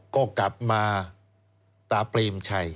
ก็กลับมาตาเปรมชัย